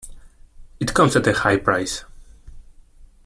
It comes at a high price.